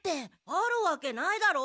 あるわけないだろ。